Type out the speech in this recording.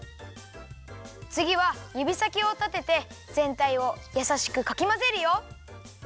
つぎはゆびさきをたててぜんたいをやさしくかきまぜるよ。